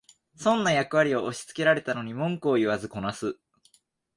損な役割を押しつけられたのに文句言わずこなす